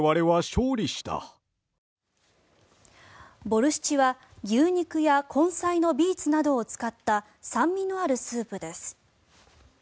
ボルシチは牛肉や根菜のビーツなどを使った酸味のあるスープです。